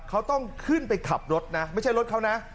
เขาต้องขึ้นไปขับรถนะไม่ใช่รถเขานะ